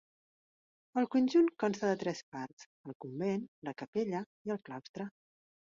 El conjunt consta de tres parts: el convent, la capella i el claustre.